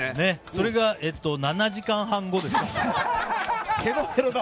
それが７時間半後ですか。